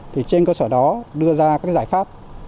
trên cơ sở đó đưa ra các giải pháp